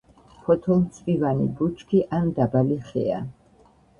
ფოთოლმცვივანი ბუჩქი ან დაბალი ხეა.